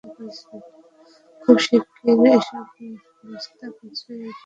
খুব শিগগির এসব বস্তা পচে বাঁধের নিচ থেকে মাটি দেবে যাবে।